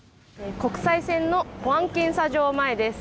国際線の保安検査場前です。